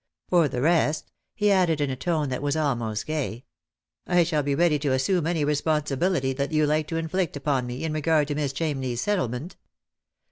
For the rest," he added, in a tone that was almost gay, " I shall be ready to assume any responsibility that you like to inflict upoi? me in regard to Miss Chamney's settlement."